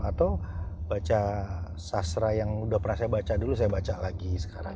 atau baca sastra yang udah pernah saya baca dulu saya baca lagi sekarang